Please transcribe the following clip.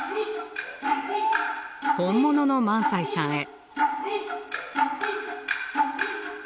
本物の萬斎さんへ。